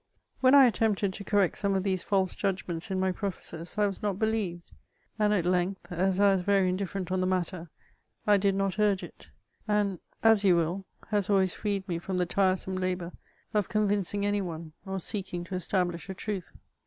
When I attempted to correct some of these false judgments in my prefaces, I was not helieved ; and at length, as I was Tery indifferent on the matter, I did not urge it ; an ^^ as you wiU," has always fireed me from the tiresome labour of convincing any one, or seeking to establish a truth.